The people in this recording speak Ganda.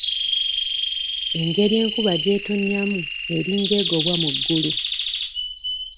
Engeri enkuba gy'ettonyamu eringa egobwa mu ggulu.